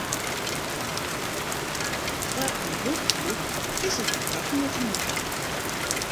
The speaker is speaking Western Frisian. Foar in rûchhier is er wat koart yn it hier.